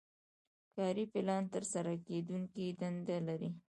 کاري پلان ترسره کیدونکې دندې لري.